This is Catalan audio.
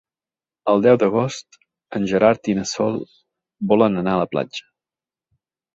El deu d'agost en Gerard i na Sol volen anar a la platja.